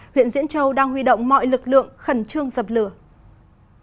huyện diễn châu đang huy động mọi lực lượng khẩn trương dập lửa